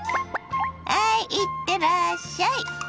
ハイいってらっしゃい。